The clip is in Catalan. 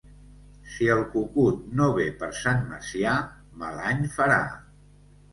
Si el cucut no ve per Sant Macià, mal any farà.